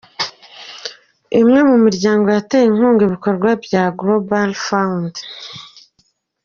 Imwe mu miryango yateye inkunga ibikorwa bya Global Fund.